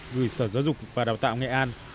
gửi sở giáo dục và đào tạo nghệ an